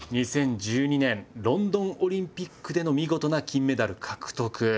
２０１２年ロンドンオリンピックでの見事な金メダル獲得。